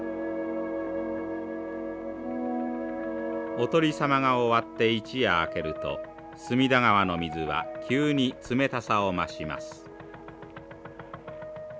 お酉さまが終わって一夜明けると隅田川の水は急に冷たさを増します。